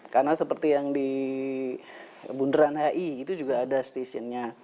karena seperti yang di bundaran hi itu juga ada stasiunnya